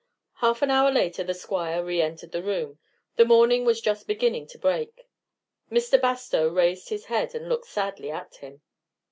Half an hour later the Squire re entered the room. The morning was just beginning to break. Mr. Bastow raised his head and looked sadly at him.